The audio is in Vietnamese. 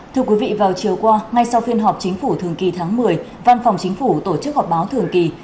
thưa quý vị vào chiều qua ngay sau phiên họp chính phủ thường kỳ tháng một mươi văn phòng chính phủ tổ chức họp báo thường kỳ